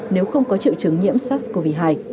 nếu không có triệu chứng nhiễm sars cov hai